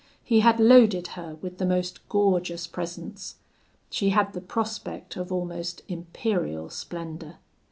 He had loaded her with the most gorgeous presents. She had the prospect of almost imperial splendour.